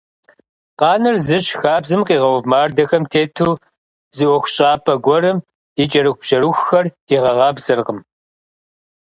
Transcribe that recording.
Къанэр зыщ - хабзэм къигъэув мардэхэм тету зы ӀуэхущӀапӀэ гуэрым и кӀэрыхубжьэрыхухэр игъэкъабзэркъым!